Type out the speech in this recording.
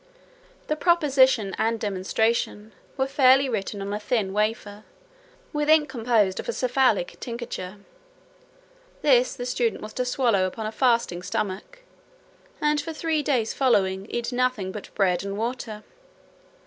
The proposition, and demonstration, were fairly written on a thin wafer, with ink composed of a cephalic tincture. This, the student was to swallow upon a fasting stomach, and for three days following, eat nothing but bread and water.